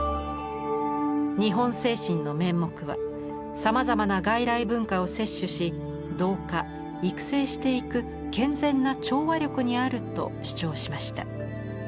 日本精神の面目はさまざまな外来文化を摂取し同化・育成していく健全な調和力にあると主張しました。